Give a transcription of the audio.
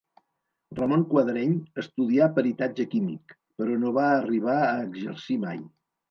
Ramon Quadreny estudià Peritatge Químic, però no va arribar a exercir mai.